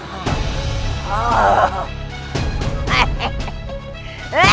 jangan ganggu dia